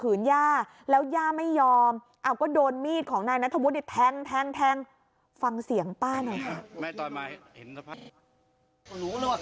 เข้าไปหาแม่เอามืดจี้แม่ก็รอโอ้ยหนูก็ไม่รู้จะทำไรหนูก็ไปนู่นเลย